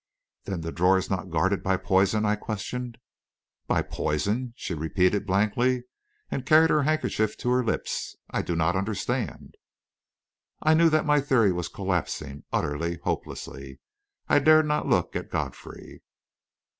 "Then the drawer is not guarded by poison?" I questioned. "By poison?" she repeated blankly, and carried her handkerchief to her lips. "I do not understand." I knew that my theory was collapsing, utterly, hopelessly. I dared not look at Godfrey.